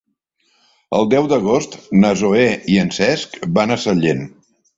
El deu d'agost na Zoè i en Cesc van a Sallent.